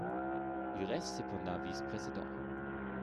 Il reste cependant vice-président.